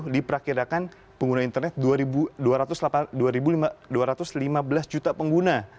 diperkirakan pengguna internet dua ratus lima belas juta pengguna